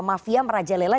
mafia meraja lela